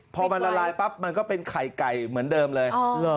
พอมันละลายปั๊บมันก็เป็นไข่ไก่เหมือนเดิมเลย